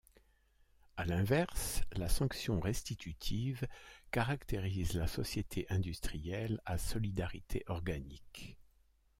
À l'inverse, la sanction restitutive caractérise la société industrielle à solidarité organique.